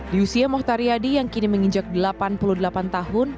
di usia mohtar yadi yang kini menginjak delapan puluh delapan tahun